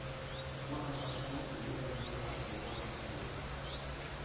Jolas asko egiten nuela gogoratzen dut.